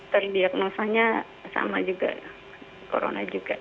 terdiagnosanya sama juga corona juga